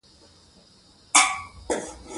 په خپله خر نلري د بل په آس پورې خاندي.